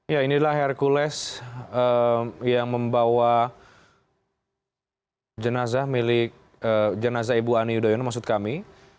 ya inilah hercules yang membawa jenazah milik jenazah ibu ani yudhoyono maksud kami